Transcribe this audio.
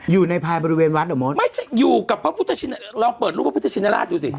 อยู่ในภายบริเวณวัดเหรอมดไม่ใช่อยู่กับพระพุทธชินลองเปิดรูปพระพุทธชินราชดูสิ